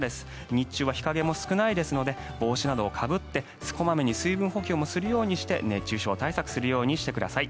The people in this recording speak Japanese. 日中は日陰も少ないですので帽子などをかぶって小まめに水分補給をするようにして熱中症対策をするようにしてください。